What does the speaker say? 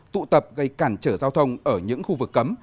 tụ tập gây cản trở giao thông ở những khu vực cấm